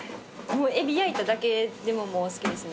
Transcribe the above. エビ焼いただけでももう好きですね。